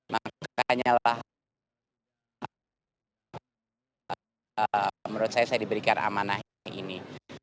makanya lah menurut saya saya diberikan amanah ini